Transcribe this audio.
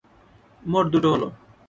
মোট দুটো হলো।